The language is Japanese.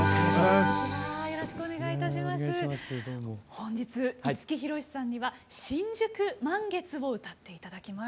本日五木ひろしさんには「新宿満月」を歌って頂きます。